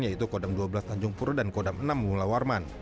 yaitu kodam dua belas tanjung pur dan kodam enam mula warman